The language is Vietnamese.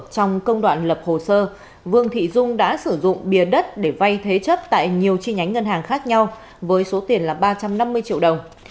trong công đoạn lập hồ sơ vương thị dung đã sử dụng bìa đất để vay thế chấp tại nhiều chi nhánh ngân hàng khác nhau với số tiền là ba trăm năm mươi triệu đồng